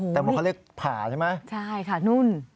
แต่เหมือนเขาเรียกผ่าใช่ไหมใช่ค่ะนุ่น